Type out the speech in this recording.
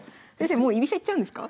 もう居飛車いっちゃうんですか？